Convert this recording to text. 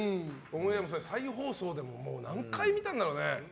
再放送でも何回見たんだろう。